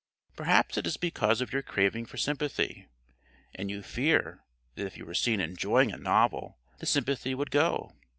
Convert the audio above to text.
Perhaps it is because of your craving for sympathy, and you fear that if you were seen enjoying a novel the sympathy would go.